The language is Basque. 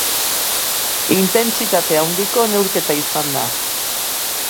Intentsitate handiko neurketa izan da.